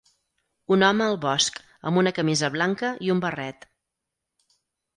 Un home al bosc amb una camisa blanca i un barret.